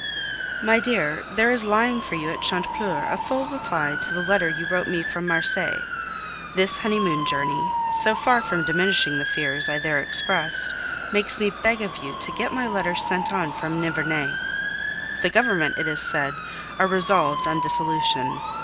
My dear, There is lying for you at Chantepleurs a full reply to the letter you wrote me from Marseilles. This honeymoon journey, so far from diminishing the fears I there expressed, makes me beg of you to get my letter sent on from Nivernais. The Government, it is said, are resolved on dissolution.